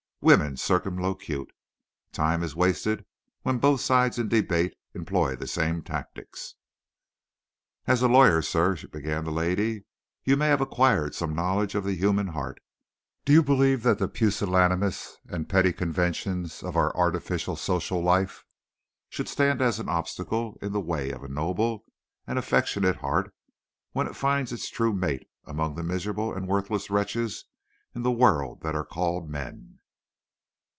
Women circumlocute. Time is wasted when both sides in debate employ the same tactics. "As a lawyer, sir," began the lady, "you may have acquired some knowledge of the human heart. Do you believe that the pusillanimous and petty conventions of our artificial social life should stand as an obstacle in the way of a noble and affectionate heart when it finds its true mate among the miserable and worthless wretches in the world that are called men?"